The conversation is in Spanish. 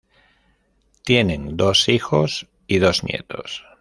Tienen dos hijos y dos nietos.